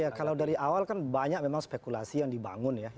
ya kalau dari awal kan banyak memang spekulasi yang dibangun ya